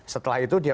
setelah itu dia